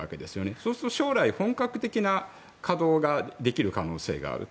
そうすると将来、本格的な稼働ができる可能性があると。